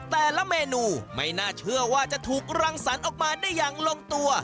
แต่ละเมนูไม่น่าเชื่อว่าจะถูกรังสรรค์ออกมาได้อย่างลงตัว